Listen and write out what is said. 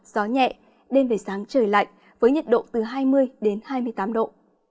gió nhẹ đêm về sáng trời lạnh với nhiệt độ từ hai mươi đến hai mươi tám độ